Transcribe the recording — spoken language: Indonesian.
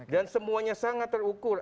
dan semuanya sangat terukur